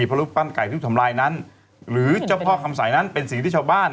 เพราะรูปปั้นไก่ที่ถูกทำลายนั้นหรือเจ้าพ่อคำสายนั้นเป็นสิ่งที่ชาวบ้าน